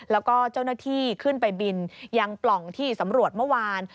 แล้วก็เจ้าหน้าที่ขึ้นไปบินยังปล่องที่สำรวจเมื่อวาน